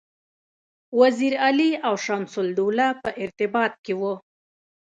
وزیر علي او شمس الدوله په ارتباط کې وه.